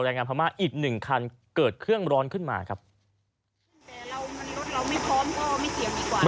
งานพม่าอีกหนึ่งคันเกิดเครื่องร้อนขึ้นมาครับแต่เรามันรถเราไม่พร้อมก็ไม่เกี่ยวดีกว่า